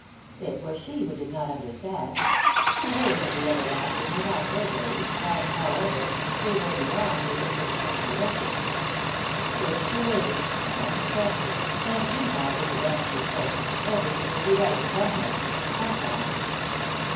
It was she who did not understand: the ways of the Everlasting were not her ways, and, moreover, they were beyond her finite comprehension. If she waited, and trusted, and meanwhile did the best she could, everything would be right somewhere, sometime.